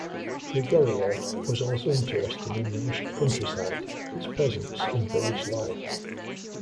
Grigoriev was also interested in the Russian countryside, its peasants and village life.